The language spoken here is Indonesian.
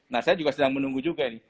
nah saya juga sedang menunggu juga ini